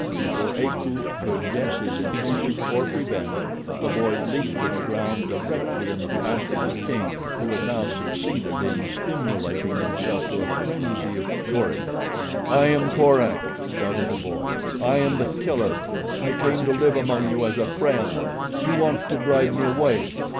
Before Akut could guess his intention, or prevent, the boy leaped to the ground directly in the path of the king, who had now succeeded in stimulating himself to a frenzy of fury. "I am Korak!" shouted the boy. "I am the Killer. I came to live among you as a friend. You want to drive me away.